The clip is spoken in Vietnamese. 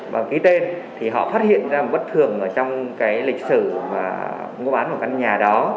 và ký tên thì họ phát hiện ra một bất thường ở trong cái lịch sử và ngô bán của căn nhà đó